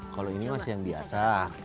kalau ini masih yang biasa